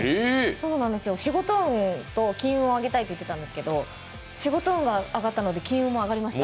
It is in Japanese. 仕事運と金運を上げたいと言っていたんですが、仕事運が上がったので、金運も上がりました。